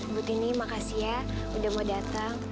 butini makasih ya udah mau dateng